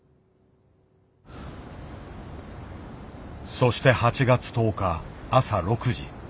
そして８月１０日朝６時。